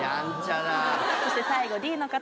そして最後。